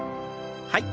はい。